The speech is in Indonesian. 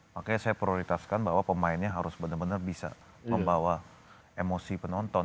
makanya saya prioritaskan bahwa pemainnya harus benar benar bisa membawa emosi penonton